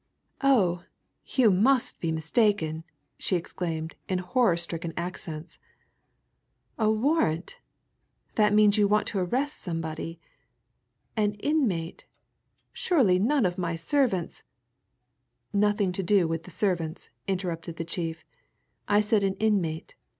"Oh, you must be mistaken!" she exclaimed in horror stricken accents. "A warrant? that means you want to arrest somebody. An inmate surely none of my servants " "Nothing to do with servants," interrupted the chief. "I said an inmate.